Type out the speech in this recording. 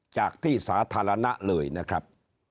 จากที่สาธารณะเลยนะครับ